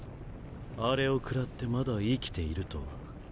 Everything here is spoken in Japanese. あれを食らってまだ生きているとは。